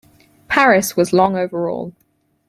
"Paris" was long overall.